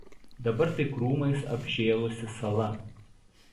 Dabar tai krūmais apžėlusi sala.